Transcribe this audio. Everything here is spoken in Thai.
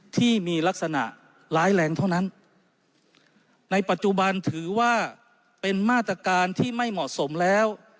ที่มีลักษณะร้ายแรงเท่านั้นในปัจจุบันถือว่าเป็นมาตรการที่ไม่เหมาะสมแล้ว